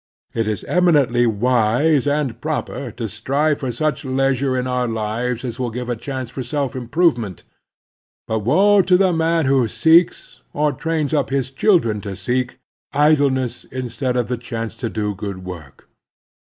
It is eminently wise and proper to strive for such leistire in our lives as will give a chance for self improvement ; but woe to the man who seeks, or trains up his children to seek, idleness instead of the chance to do good work.